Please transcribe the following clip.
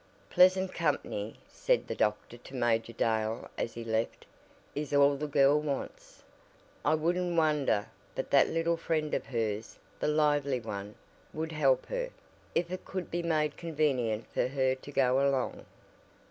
"Pleasant company," said the doctor to Major Dale as he left, "is all the girl wants. I wouldn't wonder but that little friend of hers the lively one, would help her, if it could be made convenient for her to go along."